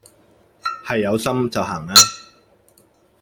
係有心就行啦